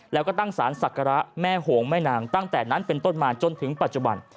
แล้วก็ตั้งสารศักระแม่โหงแม่นางตั้งแต่นั้นเป็นต้นมาจนถึงปัจจุบัน